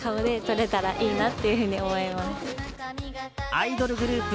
アイドルグループ